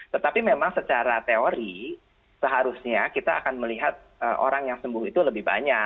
tetapi memang secara teori seharusnya kita akan melihat orang yang sembuh itu lebih banyak